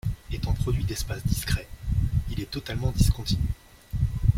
Etant produit d'espaces discrets, il est totalement discontinu.